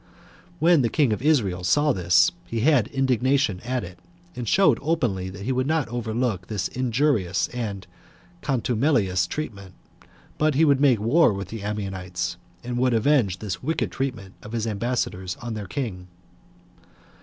When the king of Israel saw this, he had indignation at it, and showed openly that he would not overlook this injurious and contumelious treatment, but would make war with the Ammonites, and would avenge this wicked treatment of his ambassadors on their king.